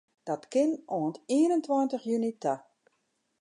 Dat kin oant ien en tweintich juny ta.